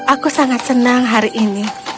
aku sangat senang hari ini